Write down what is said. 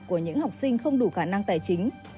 của những học sinh không đủ khả năng tài chính